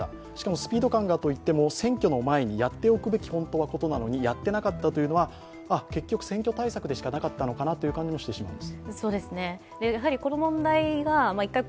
スピード感といっても選挙の前にやっておくべきことなのに、やっていなかったというのはあっ、結局、選挙対策でしかないのかなという感じもしてしまいます。